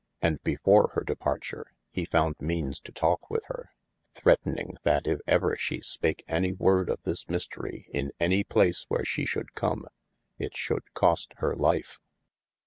And before hir departure, he found meanes to talke with hir, threatening that if ever she spake any worde of this mistery in any place where she should come, it should cost hir life.